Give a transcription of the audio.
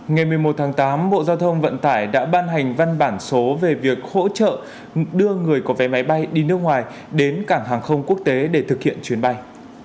ngày một mươi một tháng tám bộ giao thông vận tải đã ban hành văn bản số về việc hỗ trợ đưa người có vé máy bay đi nước ngoài đến cảng hàng không quốc tế để thực hiện chuyến bay